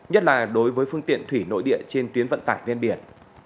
nhất là đối với phương tiện thủy nội địa trên tuyến vận tải ven biển